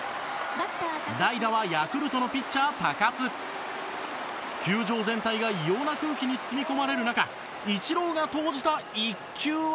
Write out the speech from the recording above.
代打はヤクルトのピッチャー、高津球場全体が異様な空気に包み込まれる中イチローに投じた一球は？